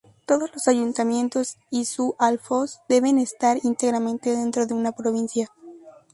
Todos los ayuntamientos, y su alfoz, deben estar íntegramente dentro de una provincia.